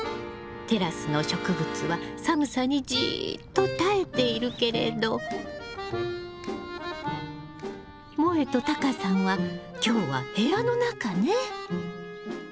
テラスの植物は寒さにじっと耐えているけれどもえとタカさんは今日は部屋の中ね。